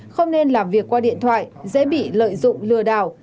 không nên làm việc qua điện thoại dễ bị lợi dụng lừa đảo